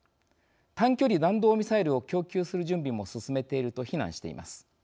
短距離弾道ミサイルを供給する準備も進めていると非難しています。